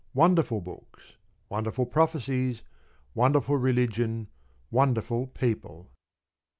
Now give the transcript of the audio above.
Wonderful books, wonderful prophecies, wonderful religion, wonderful people.